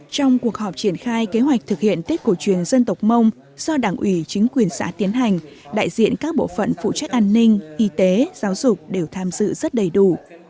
trong cuộc họp triển khai kế hoạch thực hiện tết cổ truyền dân tộc mông do đảng ủy chính quyền xã tiến hành đại diện các bộ phận phụ trách an ninh y tế giáo dục đều tham dự rất đầy đủ